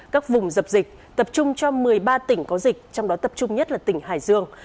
các vùng dập dịch tập trung cho một mươi ba tỉnh có dịch trong đó tập trung nhất là tỉnh hải dương